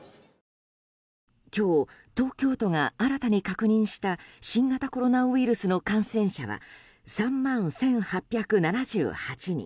今日、東京都が新たに確認した新型コロナウイルスの感染者は３万１８７８人。